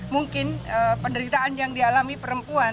mungkin penderitaan yang dialami perempuan